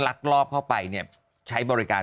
ลักรอบเข้าไปเนี่ยใช้บริการ